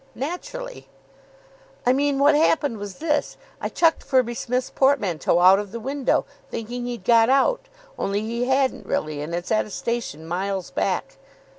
"Naturally." "I mean, what happened was this. I chucked Firby Smith's portmanteau out of the window, thinking he'd got out, only he hadn't really, and it's at a station miles back."